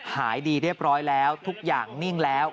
หายดีเรียบร้อยแล้วทุกอย่างนิ่งแล้ว